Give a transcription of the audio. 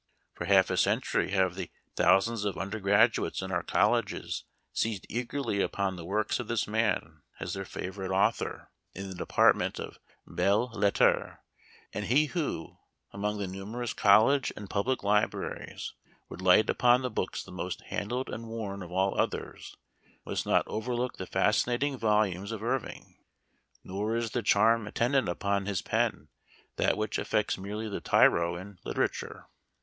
For half a century have the thousands of un dergraduates in our colleges seized eagerly upon the works of this man as their favorite author Memoir of Washington Irving. 2 1 in the department of belles Icttrcs ; and he who, among the numerous college and public libraries, would light upon the books the most handled and worn of all others, must not over look the fascinating volumes of Irving. Nor is the charm attendant upon his pen that which affects merely the tyro in literature.